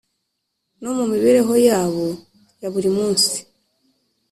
no mumibereho yabo ya buri munsi